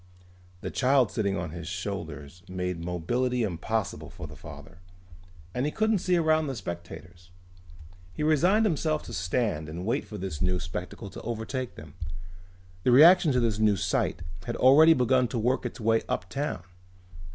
The child sitting on his shoulders made mobility impossible for the father. And he couldn't see around the spectators. He resigned himself to stand and wait for this new spectacle to overtake them. The reaction to this new sight had already begun to work its way uptown.